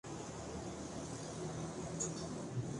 Por el calor generado, parte del agua se convierte en vapor.